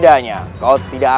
dan menangkan mereka